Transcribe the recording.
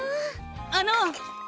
あの！